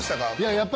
やっぱ。